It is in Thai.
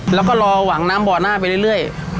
แล้วก็รอหวังน้ำบ่อหน้าไปเรื่อย